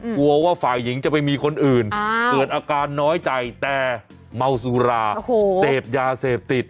กลัวว่าฝ่ายหญิงจะไปมีคนอื่นเกิดอาการน้อยใจแต่เมาสุราเสพยาเสพติด